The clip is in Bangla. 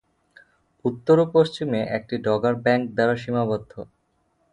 উত্তর ও পশ্চিমে এটি ডগার ব্যাংক দ্বারা সীমাবদ্ধ।